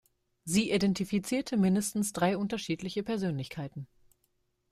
Sie identifizierte mindestens drei unterschiedliche Persönlichkeiten.